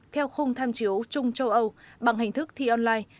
theo khung tham chiếu trung châu âu bằng hình thức thi online